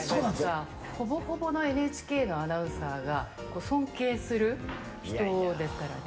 ほぼほぼのＮＨＫのアナウンサーが、尊敬する人ですからね。